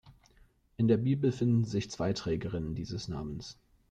In der Bibel finden sich zwei Trägerinnen dieses Namens.